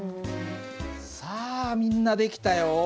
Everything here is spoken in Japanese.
さあみんな出来たよ。